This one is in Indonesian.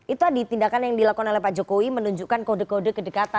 itu tadi tindakan yang dilakukan oleh pak jokowi menunjukkan kode kode kedekatan